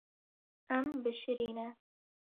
Em bişirîne.